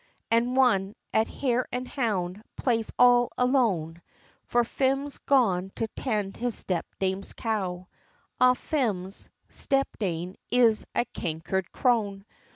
And one, at Hare and Hound, plays all alone, For Phelim's gone to tend his step dame's cow; Ah! Phelim's step dame is a canker'd crone!